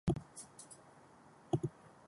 Publica al Facebook un estat dient "visca el Barça".